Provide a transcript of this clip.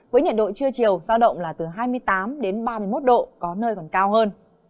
với nhiệt độ trưa chiều giao động là từ hai mươi tám đến ba mươi một độ có nơi còn cao hơn